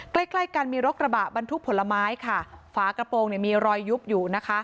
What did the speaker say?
ใกล้ใกล้กันมีรถกระบะบรรทุกผลไม้ค่ะฝากระโปรงเนี่ยมีรอยยุบอยู่นะคะ